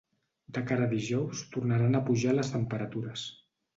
De cara a dijous tornaran a pujar les temperatures.